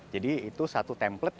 jadi itu satu template